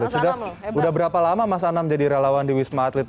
sudah berapa lama mas anam jadi relawan di wisma atlet